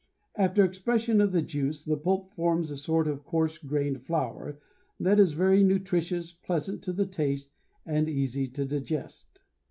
After expression of the juice the pulp forms a sort of coarse grained flour that is very nutritious, pleasant to the taste and easy to digest.